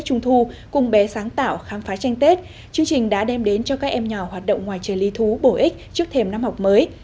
trung thu cùng bé sáng tạo khám phá tranh tết chương trình đã đem đến cho các em nhỏ hoạt động ngoài trời lý thú bổ ích trước thềm năm học mới